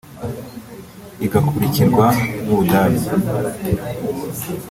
igakurikirwa n’Ubudage